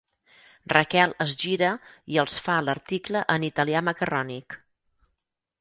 Raquel es gira i els fa l'article en italià macarrònic.